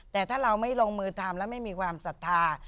แต่ถ้าเราไม่ลงมือทำแล้วไม่มีความศรัทธา